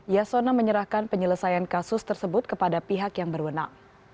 yasona menyerahkan penyelesaian kasus tersebut kepada pihak yang berwenang